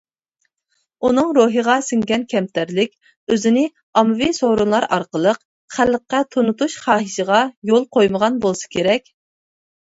ئۇنىڭ روھىغا سىڭگەن كەمتەرلىك ئۆزىنى ئاممىۋى سورۇنلار ئارقىلىق خەلققە تونۇتۇش خاھىشىغا يول قويمىغان بولسا كېرەك.